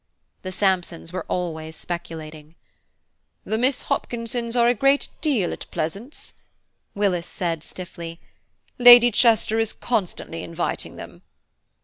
The Sampsons were always speculating. "The Miss Hopkinsons are a great deal at Pleasance," Willis said stiffly; "Lady Chester is constantly inviting them."